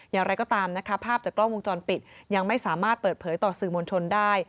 อย่างไรก็ตามนะคะภาพจากกล้องวงจรปิดยังไม่สามารถเปิดเผยต่อสื่อมวลชนได้